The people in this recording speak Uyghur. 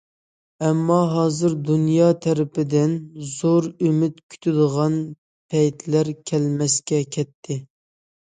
ئەمما ھازىر دۇنيا تەرتىپىدىن زور ئۈمىد كۈتىدىغان پەيتلەر كەلمەسكە كەتتى.